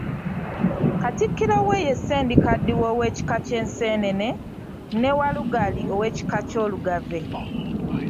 Katikkiro we ye Ssendikaddiwa ow'ekika ky'Enseenene, ne Walugali ow'ekika ky'Olugave.